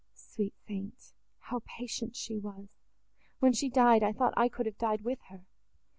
Sweet saint! how patient she was! When she died, I thought I could have died with her!"